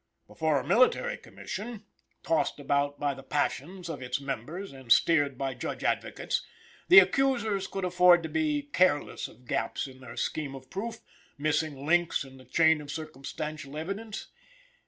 Before a Military Commission, tossed about by the passions of its members and steered by Judge Advocates, the accusers could afford to be careless of gaps in their scheme of proof, missing links in the chain of circumstantial evidence.